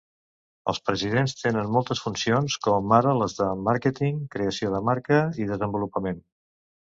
Els presidents tenen moltes funcions, com ara les de màrqueting, creació de marca i desenvolupament.